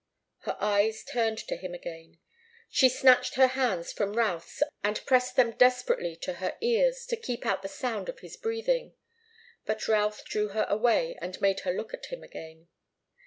Her eyes turned to him again. She snatched her hands from Routh's and pressed them desperately to her ears to keep out the sound of his breathing. But Routh drew her away and made her look at him again.